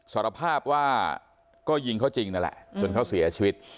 สารภาพว่าก็ยิงเขาจริงนั่นแหละจนเขาเสียชีวิต